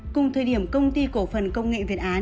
cùng thời điểm công ty cổ phần công nghệ việt á